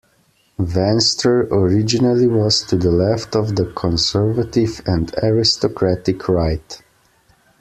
Venstre originally was to the left of the conservative and aristocratic right.